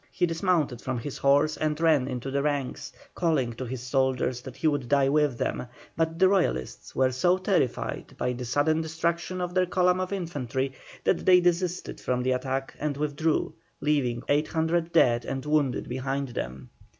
He dismounted from his horse and ran into the ranks, calling to his soldiers that he would die with them, but the Royalists were so terrified by the sudden destruction of their column of infantry, that they desisted from the attack and withdrew, leaving 800 dead and wounded behind them.